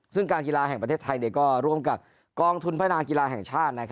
ซึ่งการกีฬาแห่งประเทศไทยก็ร่วมกับกองทุนพัฒนากีฬาแห่งชาติ